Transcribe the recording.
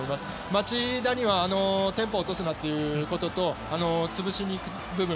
町田にはテンポを落とすなということと潰しに行く部分